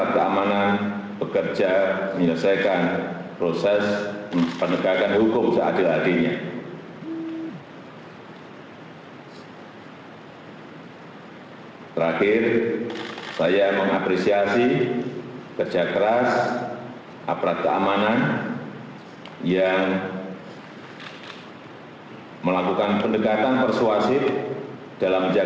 saya minta para penjurasa untuk kembali ke tempat yang telah ditemukan